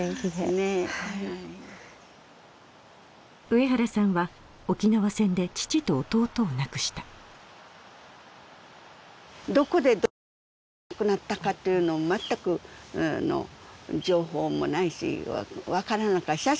上原さんは沖縄戦で父と弟を亡くしたどこでどのようにして亡くなったかっていうの全く情報もないし分からなかった。